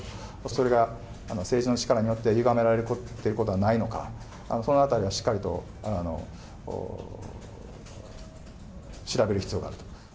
それが政治の力によってゆがめられるということがないのか、そのあたりはしっかりと調べる必要がある。